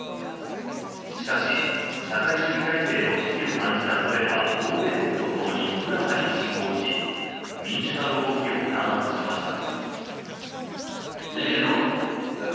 しかし、社会主義体制の危機を感じたソ連は同盟国とともにプラハに侵攻し民主化の動きを弾圧しました。